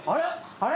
あれ？